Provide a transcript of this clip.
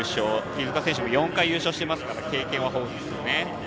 飯塚選手も４回優勝しているので経験豊富ですね。